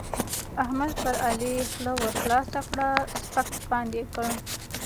احمد پر علي خوله ورخلاصه کړه؛ سپک سپاند يې کړ.